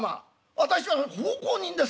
私は奉公人ですよ。